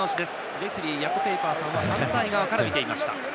レフリーのヤコ・ペイパーさんは反対側から見ていました。